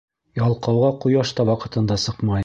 Ялҡауға ҡояш та ваҡытында сыҡмай.